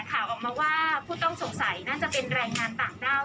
ว่าผู้ต้องสงสัยน่าจะเป็นรายงานต่างราว